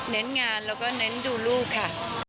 งานแล้วก็เน้นดูลูกค่ะ